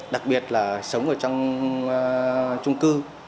đặc biệt là sống ở trong trung cư